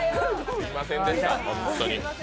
すいませんでした、本当に。